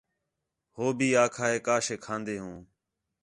ہو بھی آکھا ہے کا شے کھان٘دے ہوں